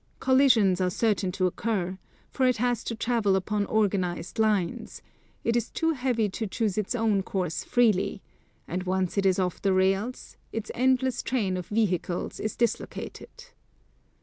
Collisions are certain to occur; for it has to travel upon organised lines, it is too heavy to choose its own course freely; and once it is off the rails, its endless train of vehicles is dislocated.